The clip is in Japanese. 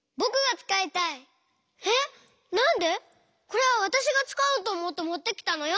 これはわたしがつかおうとおもってもってきたのよ！